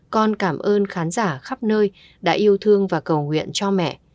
con cảm ơn khán giả khắp nơi đã yêu thương và cầu nguyện cho mẹ